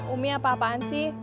umi apa apaan sih